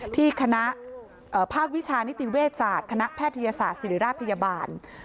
ที่คณะภาควิชานิติเวชศาสตร์คณะแพทยศาสตร์ศิริราชพยาบาล